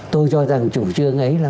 tôi cho rằng chủ trương ấy là